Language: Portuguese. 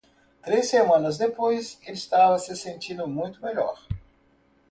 Três semanas depois,? ele estava se sentindo muito melhor.